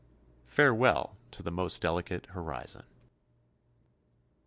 Farewell to the most delicate horizon.